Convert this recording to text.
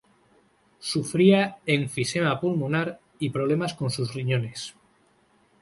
Sufría enfisema pulmonar y problemas con sus riñones.